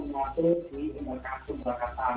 masuk di indokasium berkataan